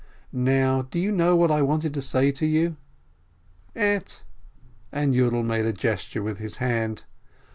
Now do you know what I wanted to say to you?" "Ett!" and Yiidel made a gesture with his hand.